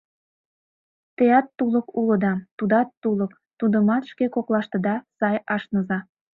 Теат тулык улыда, тудат тулык; тудымат шке коклаштыда сай ашныза.